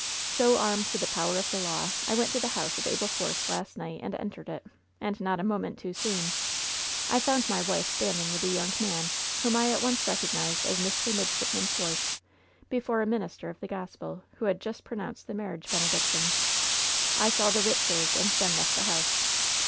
So armed with the power of the law, I went to the house of Abel Force last night and entered it, and not a moment too soon. I f oimd my wife standing with a young man whom I at once recog nized as Mr. Midshipman Force, before a minister of the Gospel who had just pronounced the marriage bene diction. I saw the writ served, and then left the house.